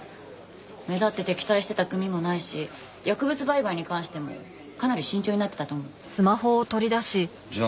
目立って敵対してた組もないし薬物売買に関してもかなり慎重になってたと思う。